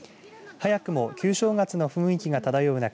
早くも旧正月の雰囲気が漂う中